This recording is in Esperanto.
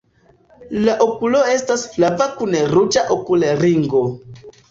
La okulo estas flava kun ruĝa okulringo.